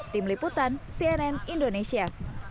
tim liputan cnn indonesia